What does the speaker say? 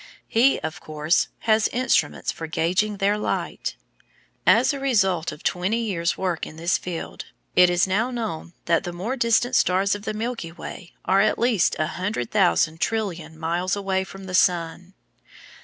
He, of course, has instruments for gauging their light. As a result of twenty years work in this field, it is now known that the more distant stars of the Milky Way are at least a hundred thousand trillion (100,000,000,000,000,000) miles away from the sun.